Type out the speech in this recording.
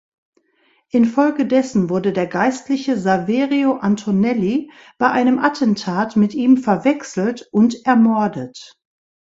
Infolgedessen wurde der Geistliche Saverio Antonelli bei einem Attentat mit ihm verwechselt und ermordet.